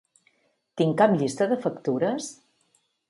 Tinc cap llista de factures?